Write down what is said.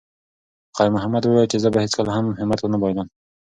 خیر محمد وویل چې زه به هیڅکله هم همت ونه بایللم.